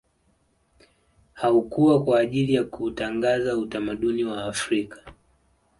Haukwa kwa ajili ya kuutangaza utamaduni wa Afrika